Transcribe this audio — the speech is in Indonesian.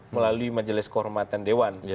melalui majelis kehormatan dewan